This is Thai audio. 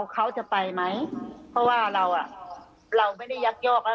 เขาจะไปไหมเพราะว่าเราไม่ได้ยักยอกแล้ว